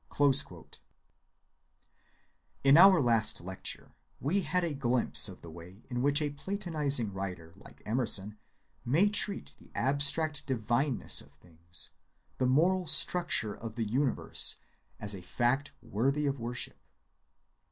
(23) In our last lecture we had a glimpse of the way in which a platonizing writer like Emerson may treat the abstract divineness of things, the moral structure of the universe, as a fact worthy of worship.